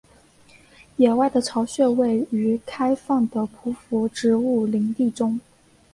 野外的巢穴位于开放的匍匐植物林地中。